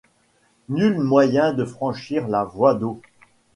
Nul moyen de franchir la voie d’eau.